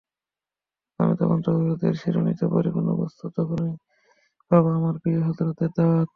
আমি তখন তৌহিদের শিরনিতে পরিপূর্ণ প্রস্তুত, এখনই পাব আমার প্রিয় হজরতের দাওয়াত।